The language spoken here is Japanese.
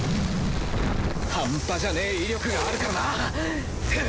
半端じゃねえ威力があるからな。